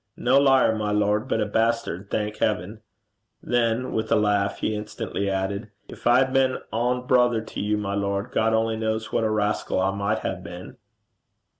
No liar, my lord, but a bastard, thank heaven.' Then, with a laugh, he instantly added, 'Gin I had been ain brither to you, my lord, God only knows what a rascal I micht hae been.'